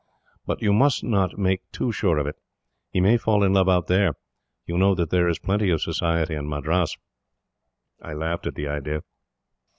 But you must not make too sure of it. He may fall in love out there. You know that there is plenty of society at Madras.' "I laughed at the idea.